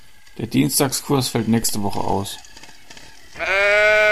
Der Dienstagskurs fällt nächste Woche aus.